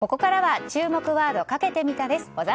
ここからは注目ワードかけてみたです。